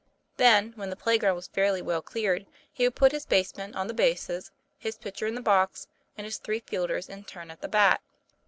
Then, when the play ground was fairly well cleared, he would put his basemen on the bases, his pitch er in the box, and his three fielders in turn at the bat.